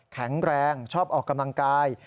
แข็งแรงชอบออกกำลังกาย